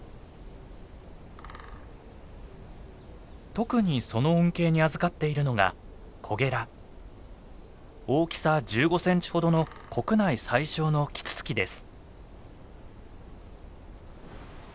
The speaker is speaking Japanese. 特にその恩恵にあずかっているのが大きさ１５センチほどの国内最小のキツツキです。